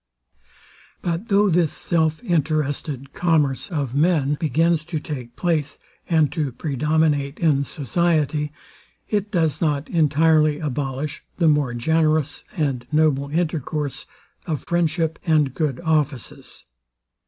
But though this self interested commerce of man begins to take place, and to predominate in society, it does not entirely abolish the more generous and noble intercourse of friendship and good offices.